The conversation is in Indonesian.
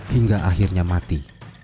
hingga akhirnya mati